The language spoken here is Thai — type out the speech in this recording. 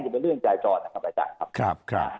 จะเป็นเรื่องจายจอนะครับ